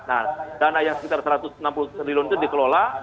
nah dana yang sekitar satu ratus enam puluh triliun itu dikelola